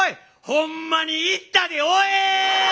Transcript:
ほんまに行ったでおい！